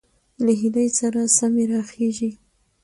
له هيلې سره سمې راخېژي،